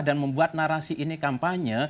dan membuat narasi ini kampanye